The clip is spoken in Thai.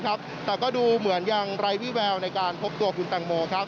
แต่ก็ดูเหมือนยังไร้วิแววในการพบตัวคุณแตงโมครับ